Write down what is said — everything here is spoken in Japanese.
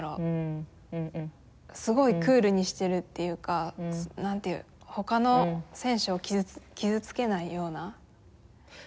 すごいクールにしてるっていうかほかの選手を傷つけないような。